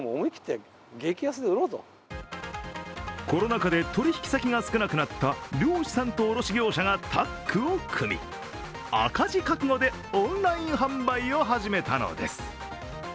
コロナ禍で取引先が少なくなった漁師さんと卸業者がタッグを組み、赤字覚悟でオンライン販売を始めたのです。